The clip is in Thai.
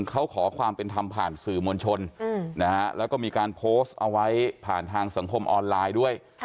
เขาขอความเป็นธรรมผ่านสื่อมวลชนแล้วก็มีการโพสต์เอาไว้ผ่านทางสังคมออนไลน์ด้วย